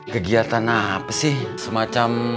kegiatan apa sih semacam